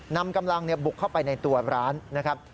นำกำลังบุกเข้าไปในตัวร้านนะครับ